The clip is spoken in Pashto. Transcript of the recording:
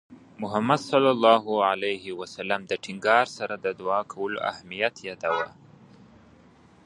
محمد صلى الله عليه وسلم د ټینګار سره د دُعا کولو اهمیت یاداوه.